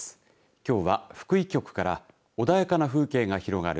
きょうは福井局から穏やかな風景が広がる